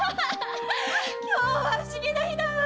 今日は不思議な日だわ！